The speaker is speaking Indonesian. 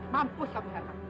mampus kamu herman